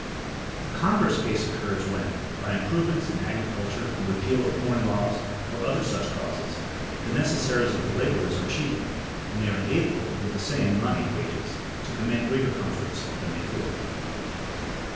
The converse case occurs when, by improvements in agriculture, the repeal of corn laws, or other such causes, the necessaries of the laborers are cheapened, and they are enabled with the same [money] wages to command greater comforts than before.